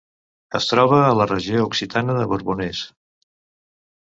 Es troba a la regió occitana del Borbonès.